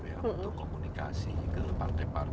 untuk komunikasi ke partai partai